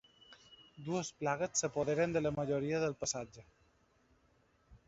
Dues plagues s'apoderen de la majoria del passatge.